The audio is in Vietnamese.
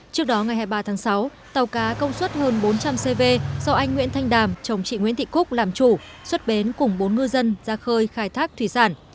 trước đó ngày hai mươi ba tháng sáu tàu cá công suất hơn bốn trăm linh cv do anh nguyễn thanh đàm chồng chị nguyễn thị cúc làm chủ xuất bến cùng bốn ngư dân ra khơi khai thác thủy sản